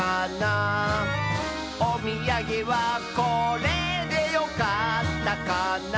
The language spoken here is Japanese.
「おみやげはこれでよかったかな」